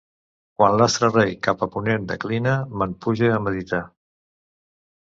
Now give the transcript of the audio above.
Quan l'astre rei cap a ponent declina me'n puge a meditar.